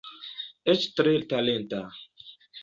Eĉ tre talenta.